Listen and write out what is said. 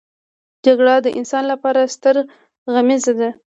جګړه د انسان لپاره ستره غميزه ده